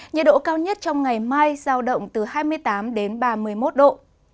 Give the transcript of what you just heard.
nhiệt độ cao nhất trong ngày mai giao động từ hai mươi tám đến ba mươi một độ